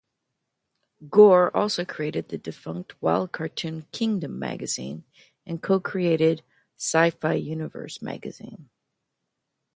Gore also created the defunct "Wild Cartoon Kingdom" magazine and co-created "Sci-Fi Universe" magazine.